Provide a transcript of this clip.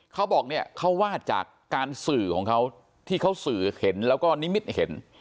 เขาบอกเนี่ยเขาวาดจากการสื่อของเขาที่เขาสื่อเห็นแล้วก็นิมิตเห็น